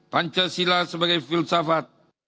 pancasila sebagai filsafat